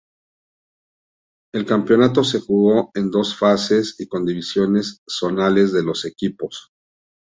El campeonato se jugó en dos fases y con divisiones zonales de los equipos.